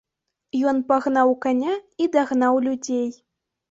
Ён пагнаў каня і дагнаў людзей.